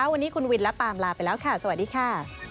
วันนี้คุณวินและปามลาไปแล้วค่ะสวัสดีค่ะ